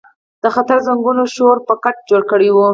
د خطر زنګونو شور بګت جوړ کړی و.